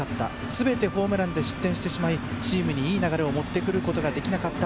すべてホームランで失点してしまいチームにいい流れを持ってくることができなかった。